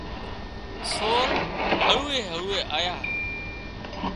سور هۯوئي هۯوئي آيا